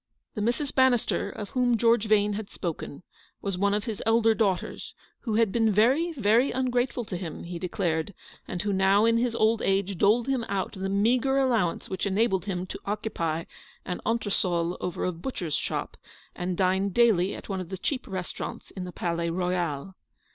The Mrs. Bannister of whom George Vane had spoken, was one of his elder daughters, who had been very, very ungrateful to him, he declared ; and who now in his old age doled him out the meagre allowance which enabled him to occupy an entresol over a butcher's shop, and dine daily at one of the cheap restaurants in the Palais Royal.